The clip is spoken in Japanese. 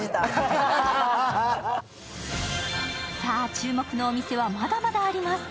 注目のお店はまだまだあります。